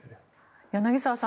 柳澤さん